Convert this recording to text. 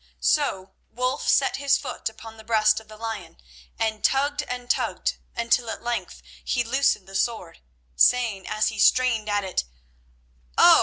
So Wulf set his foot upon the breast of the lion and tugged and tugged until at length he loosened the sword, saying as he strained at it: "Oh!